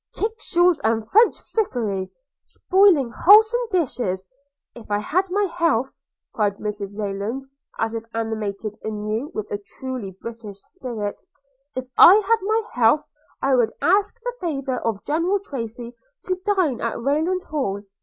'Kickshaws, and French frippery, spoiling wholesome dishes. If I had my health,' cried Mrs Rayland as if animated anew with a truly British spirit – 'if I had my health, I would ask the favour of General Tracy to dine at Rayland Hall.